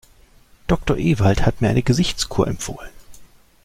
Doktor Ewald hat mir eine Gesichtskur empfohlen.